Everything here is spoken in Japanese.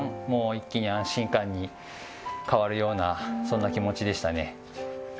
もう一気に安心感に変わるようなそんな気持ちでしたね。